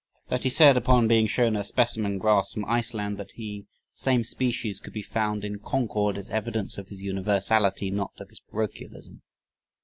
That he said upon being shown a specimen grass from Iceland that the same species could be found in Concord is evidence of his universality, not of his parochialism.